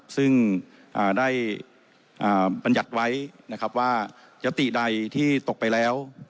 ซึ่งได้ปัญญัติไว้ว่ายติใดที่ตกไปแล้ว